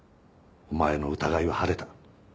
お前の疑いは晴れた。